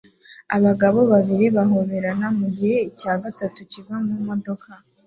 Abagore babiri bahoberana mugihe icya gatatu kiva mumodoka